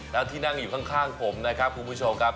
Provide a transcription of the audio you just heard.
แล้วที่นั่งอยู่ข้างผมนะครับคุณผู้ชมครับ